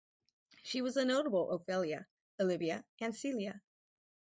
She was a notable Ophelia, Olivia and Celia.